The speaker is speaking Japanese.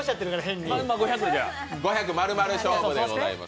５００、丸々勝負でございます。